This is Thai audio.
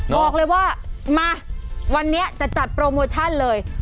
บอกเลยว่ามาวันนี้จะจัดโปรโมชั่นเลย